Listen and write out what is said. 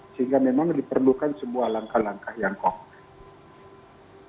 sehingga memang diperlukan sebuah langkah langkah yang konkret